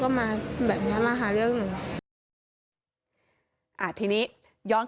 กลุ่มวัยรุ่นฝั่งพระแดง